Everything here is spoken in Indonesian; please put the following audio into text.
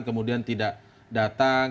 kemudian tidak datang